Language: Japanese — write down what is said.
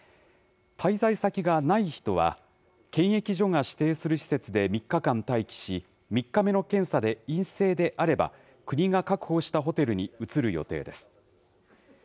滞在先がない人は、検疫所が指定する施設で３日間待機し、３日目の検査で陰性であれば、国が確保したホテルに移る予定です。